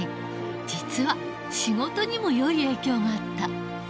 実は仕事にも良い影響があった。